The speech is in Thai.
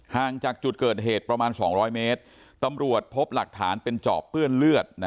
ห่างจากจุดเกิดเหตุประมาณ๒๐๐เมตรตำรวจพบหลักฐานเป็นจอบเปื้อนเลือด